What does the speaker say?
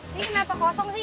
ini kenapa kosong sih